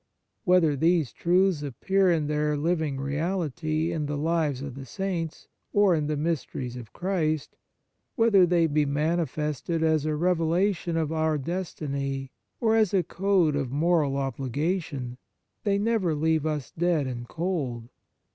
Whether these truths appear in their living reality in the lives of the Saints or in the mysteries of Christ, whether they be manifested as a revelation of our destiny or as a code of moral obligation, they never leave us dead and cold.